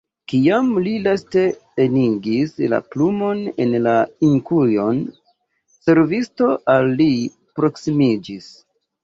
Kiam li laste enigis la plumon en la inkujon, servisto al li proksimiĝis.